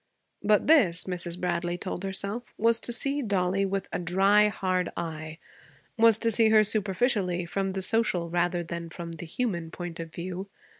But this, Mrs. Bradley told herself, was to see Dollie with a dry, hard eye, was to see her superficially, from the social rather than from the human point of view.